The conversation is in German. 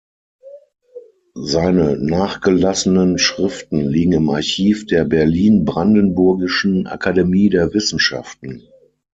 Seine nachgelassenen Schriften liegen im Archiv der Berlin-Brandenburgischen Akademie der Wissenschaften.